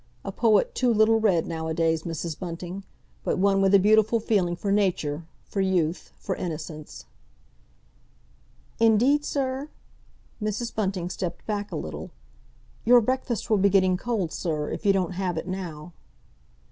"A poet too little read nowadays, Mrs. Bunting; but one with a beautiful feeling for nature, for youth, for innocence." "Indeed, sir?" Mrs. Bunting stepped back a little. "Your breakfast will be getting cold, sir, if you don't have it now."